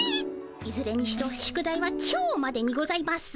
いずれにしろ宿題は今日までにございます。